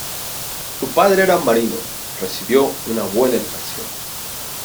Su padre era marino y recibió una buena educación.